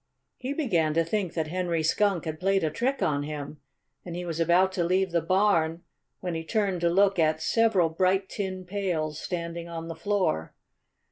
He began to think that Henry Skunk had played a trick on him. And he was about to leave the barn when he turned to look at several bright tin pails standing on the floor.